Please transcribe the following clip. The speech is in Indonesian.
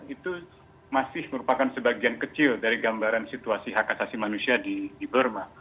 itu masih merupakan sebagian kecil dari gambaran situasi hak asasi manusia di ibu rumah